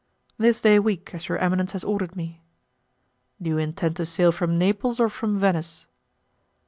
"This day week, as your eminence has ordered me." "Do you intend to sail from Naples or from Venice?"